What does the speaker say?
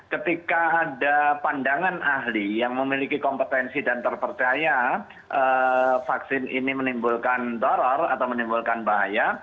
ketika ada pandangan ahli yang memiliki kompetensi dan terpercaya vaksin ini menimbulkan doror atau menimbulkan bahaya